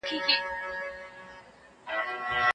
د خاوند او ميرمني په شخصي ژوند کي مداخله څه زيان لري؟